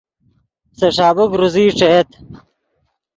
سے ݰابیک روزئی ݯییت